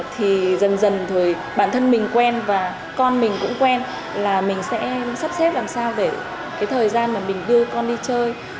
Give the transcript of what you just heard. thì dần dần thì bản thân mình quen và con mình cũng quen là mình sẽ sắp xếp làm sao để cái thời gian mà mình đưa con đi chơi